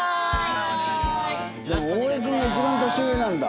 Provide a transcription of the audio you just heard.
大江君が一番年上なんだ。